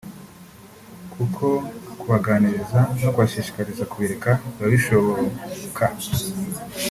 kuko kubaganiriza no kubashishikariza kubireka biba bishoboka